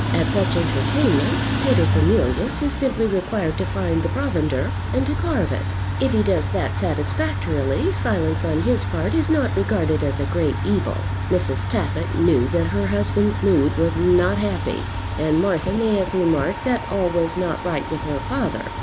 At such entertainments Paterfamilias is simply required to find the provender and to carve it. If he does that satisfactorily, silence on his part is not regarded as a great evil. Mrs. Tappitt knew that her husband's mood was not happy, and Martha may have remarked that all was not right with her father.